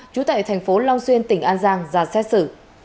trú tại thành phố long xuyên tỉnh an giang ra xét xử